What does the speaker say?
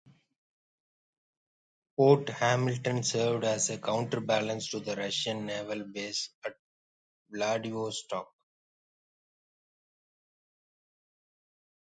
Port Hamilton served as a counterbalance to the Russian naval base at Vladivostok.